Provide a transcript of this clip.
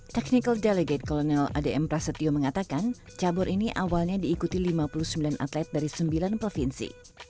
technical delegate kolonel adm prasetyo mengatakan cabur ini awalnya diikuti lima puluh sembilan atlet dari sembilan provinsi